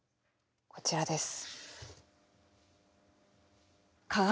こちらです。